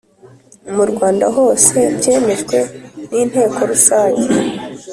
mu Rwanda hose byemejwe n Inteko Rusange